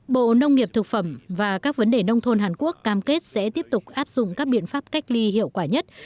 bộ nông nghiệp thực phẩm và các vấn đề nông thôn hàn quốc cam kết sẽ tiếp tục áp dụng các biện pháp cách ly hiệu quả nhất